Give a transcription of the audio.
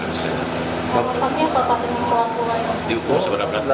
pasti hukum sebenarnya beratnya